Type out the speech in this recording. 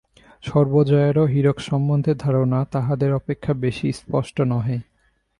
সর্বজয়ারও হীরক সম্বন্ধে ধারণা তাহাদের অপেক্ষা বেশি স্পষ্ট নহে।